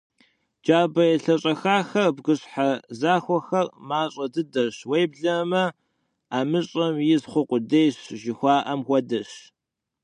Джабэ елъэщӏэхахэр, бгыщхьэ захуэхэр мащӏэ дыдэщ, уеблэмэ «ӏэмыщӏэм из хъу къудейщ» жыхуаӏэм хуэдэщ.